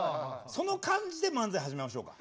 その感じで漫才始めましょうか。